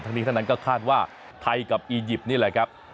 นี้ทั้งนั้นก็คาดว่าไทยกับอียิปต์นี่แหละครับ